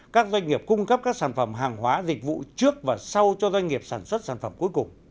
các doanh nghiệp cung cấp các sản phẩm hàng hóa dịch vụ trước và sau cho doanh nghiệp sản xuất sản phẩm cuối cùng